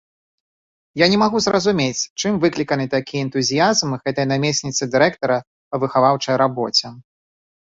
Я не магу зразумець, чым выкліканы такі энтузіязм гэтай намесніцы дырэктара па выхаваўчай рабоце.